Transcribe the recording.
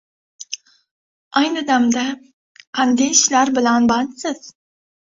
— Ayni damda qanday ishlar bilan bandsiz?